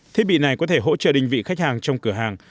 thiết bị này có thể hỗ trợ đình vị khách hàng trong cửa hàng